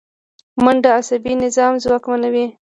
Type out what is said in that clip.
منډه عصبي نظام ځواکمنوي